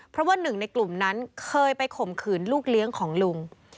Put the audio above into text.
เพราะว่าหนึ่งในกลุ่มนั้นเคยไปข่มขืนลูกเลี้ยงของลุง